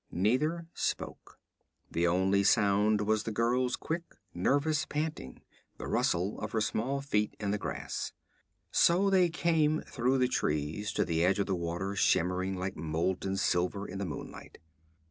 Neither spoke. The only sound was the girl's quick nervous panting, the rustle of her small feet in the grass. So they came through the trees to the edge of the water, shimmering like molten silver in the moonlight.